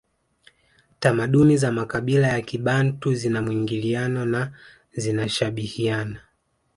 Tamaduni za makabila ya kibantu zina mwingiliano na zinashabihiana